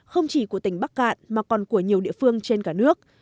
không chỉ của tỉnh bắc cạn mà còn của nhiều địa phương trên cả nước